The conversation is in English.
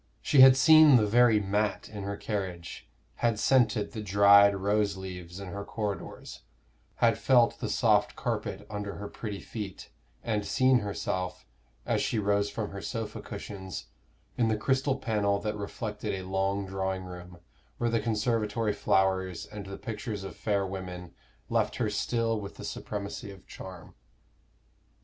She had seen the very mat in her carriage, had scented the dried rose leaves in her corridors, had felt the soft carpet under her pretty feet, and seen herself, as she rose from her sofa cushions, in the crystal panel that reflected a long drawing room, where the conservatory flowers and the pictures of fair women left her still with the supremacy of charm.